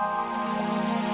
jangan jauh jauh saja b dick